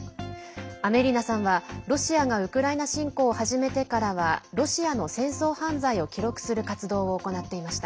アメリーナさんは、ロシアがウクライナ侵攻を始めてからはロシアの戦争犯罪を記録する活動を行っていました。